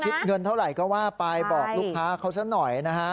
คิดเงินเท่าไรก็ว่าไปบอกลูกค้าเขาเสียหน่อย